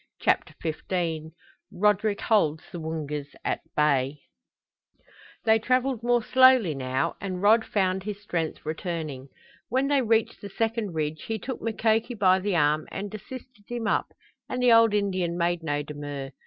CHAPTER XV RODERICK HOLDS THE WOONGAS AT BAY They traveled more slowly now and Rod found his strength returning. When they reached the second ridge he took Mukoki by the arm and assisted him up, and the old Indian made no demur.